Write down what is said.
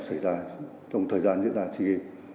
xảy ra trong thời gian diễn ra sea games